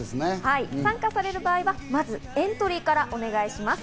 参加される場合はまずエントリーからお願いします。